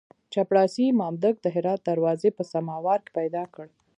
چپړاسي مامدک د هرات دروازې په سماوار کې پیدا کړ.